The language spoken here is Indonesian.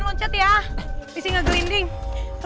tuh tuh tuh anak anak itu